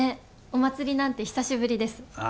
お祭りなんて久しぶりですああ